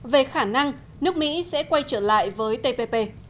về khả năng nước mỹ sẽ quay trở lại với tpp